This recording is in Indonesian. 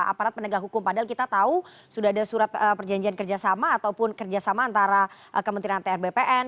aparat penegak hukum padahal kita tahu sudah ada surat perjanjian kerjasama ataupun kerjasama antara kementerian tr bpn